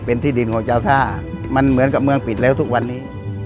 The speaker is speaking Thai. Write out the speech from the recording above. เป็นที่ดินของเจ้าท่ามันเหมือนกับเมืองปิดแล้วทุกวันนี้